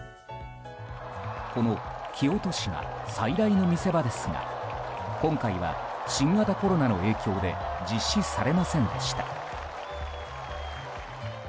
この木落しが最大の見せ場ですが今回は新型コロナの影響で実施されませんでした。